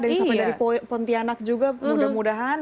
dari pontianak juga mudah mudahan